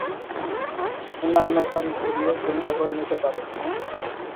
অন্যান্য সারি ঘুরিয়ে সুবিধা করে নিতে পারে।